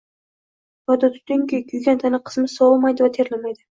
Yodda tutinki, kuygan tana qismi sovimaydi va terlamaydi